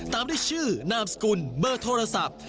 ตามด้วยชื่อนามสกุลเบอร์โทรศัพท์